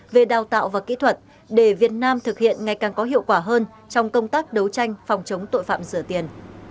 về đào tạo và kỹ thuật để việt nam thực hiện ngày càng có hiệu quả hơn trong công tác đấu tranh phòng chống tội phạm sửa tiền